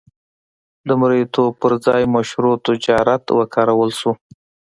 د مریتوب پر ځای مشروع تجارت وکارول شو.